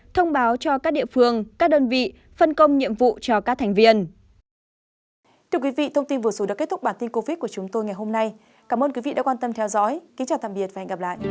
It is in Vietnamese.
thông báo cho các địa phương các đơn vị phân công nhiệm vụ cho các thành viên